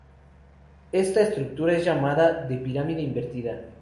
Esta estructura es llamada de "pirámide invertida".